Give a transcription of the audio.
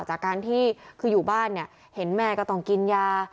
จากการที่คืออยู่บ้านเนี่ยเห็นแม่ก็ต้องกินยา